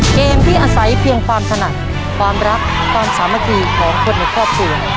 เกมที่อาศัยเพียงความถนัดความรักความสามัคคีของคนในครอบครัว